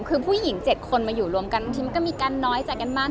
คือผู้หญิง๗คนมาอยู่รวมกันบางทีมันก็มีการน้อยใจกันบ้าง